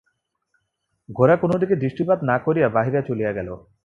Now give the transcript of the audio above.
গোরা কোনো দিকে দৃষ্টিপাত না করিয়া বাহিরে চলিয়া গেল।